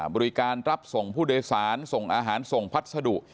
บริการรับส่งผู้โดยสารส่งอาหารส่งพัสดุ